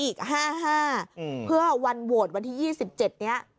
อีก๕๕อืมเพื่อวันโหวตวันที่ยี่สิบเจ็ดเนี้ย